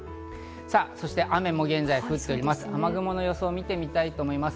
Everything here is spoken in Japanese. そして雨も現在降っています